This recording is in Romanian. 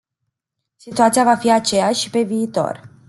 Situația va fi aceeași și pe viitor.